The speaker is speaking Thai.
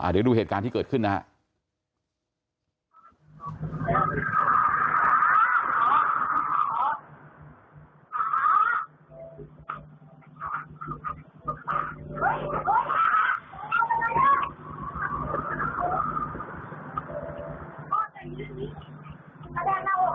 เดี๋ยวดูเหตุการณ์ที่เกิดขึ้นนะครับ